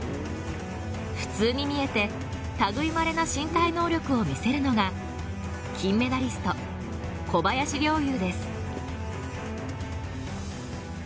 普通に見えて、たぐいまれな身体能力を見せるのが金メダリスト・小林陵侑です。